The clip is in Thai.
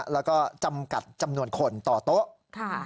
แล้วก็จำกัดจำนวนคนต่อโต๊ะ